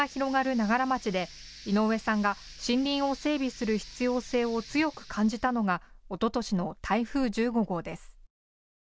長柄町で井上さんが、森林を整備する必要性を強く感じたのがおととしの台風１５号です。